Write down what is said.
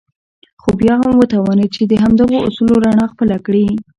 خو بيا هم وتوانېد چې د همدغو اصولو رڼا خپله کړي.